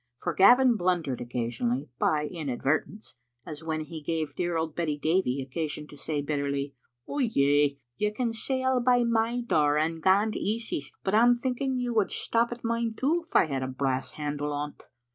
For Gavin blundered occasionally by inadvertence, as when he jgave dear old Betty Davie occasion to say bitterly —•* Ou ay, you can sail by my door and gang to Easie's, but I'm thinking you would stop at mine too if I had a l^rass handle on't."